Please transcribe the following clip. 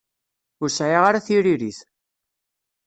Ur sɛiɣ ara tiririt.